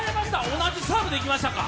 同じサーブでいきましたか。